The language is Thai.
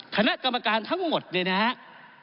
คณะกรรมการทั้งหมดเนี่ยนะครับ